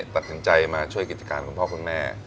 ตัดสินใจมาช่วยกิจการคุณพ่อคุณแม่